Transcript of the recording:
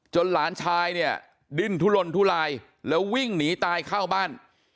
หลานชายเนี่ยดิ้นทุลนทุลายแล้ววิ่งหนีตายเข้าบ้าน